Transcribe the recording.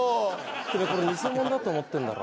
てめえこれ偽物だと思ってんだろ？